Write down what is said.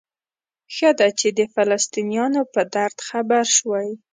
ښه ده چې د فلسطینیانو په درد خبر شوئ.